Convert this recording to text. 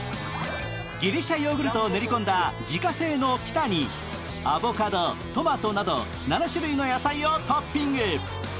ギリシャヨーグルトを練り込んだ自家製のピタにアボカド、トマトなど７種類の野菜をトッピング。